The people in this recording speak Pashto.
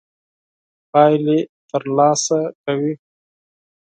پايلې تر لاسه کوي.